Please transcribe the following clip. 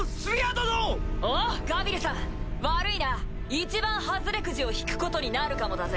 一番ハズレくじを引くことになるかもだぜ。